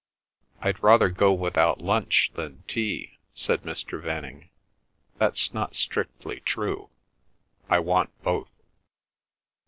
"I'd rather go without lunch than tea," said Mr. Venning. "That's not strictly true. I want both."